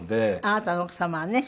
あなたの奥様はね。